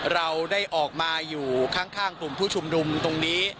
เราได้ออกมาอยู่ข้างกลุ่มผู้ชุมนุมตรงนี้